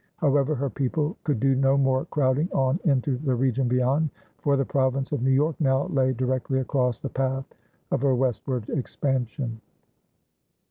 However, her people could do no more crowding on into the region beyond, for the province of New York now lay directly across the path of her westward expansion.